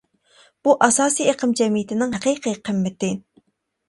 بۇ ئاساسىي ئېقىم جەمئىيىتىنىڭ ھەقىقىي قىممىتى.